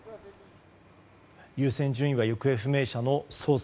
優先順位は行方不明者の捜索